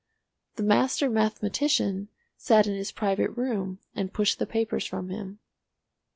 The master mathematician sat in his private room and pushed the papers from him.